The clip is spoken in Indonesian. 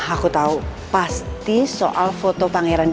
aku tahu pasti soal foto pangeran di